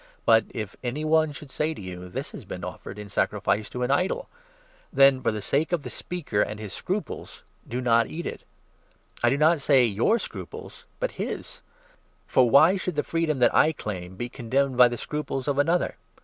But, if any one should say to you ' This has been 28 offered in sacrifice to an idol,' then, for the sake of the speaker and his scruples, do not eat it. I do not say ' your ' scruples, 29 but 'his.' For why should the freedom that I claim be con demned by the scruples of another